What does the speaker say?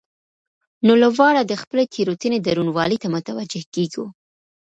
نو له واره د خپلې تېروتنې درونوالي ته متوجه کېږو.